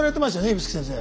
指宿先生。